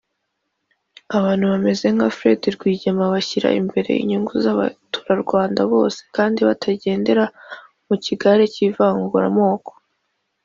-Abantu bameze nka Fred Rwigema bashyira imbere inyungu z’abaturarwanda bose kandi batagendera mu kigare cy’ivanguramoko